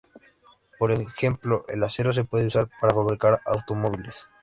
Por ejemplo, el acero se puede usar para fabricar automóviles.